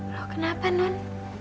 loh kenapa non